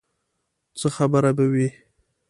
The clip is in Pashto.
څه خبره به وي.